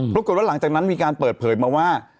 ปรากฏว่าหลังจากนั้นมีการเปิดเผยมาว่า